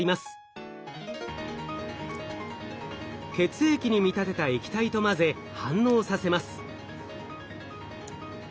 血液に見立てた液体と混ぜ反応させます。